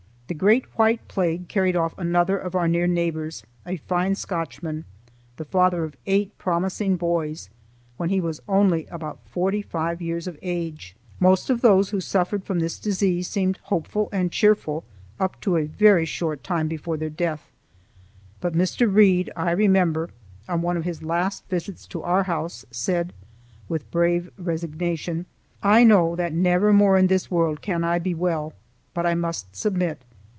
The great white plague carried off another of our near neighbors, a fine Scotchman, the father of eight promising boys, when he was only about forty five years of age. Most of those who suffered from this disease seemed hopeful and cheerful up to a very short time before their death, but Mr. Reid, I remember, on one of his last visits to our house, said with brave resignation: "I know that never more in this world can I be well, but I must just submit.